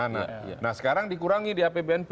nah sekarang dikurangi di apbnp